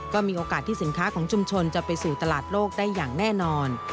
ก็มีโอกาสที่สินค้าของชุมชนจะไปสู่ตลาดโลกได้อย่างแน่นอน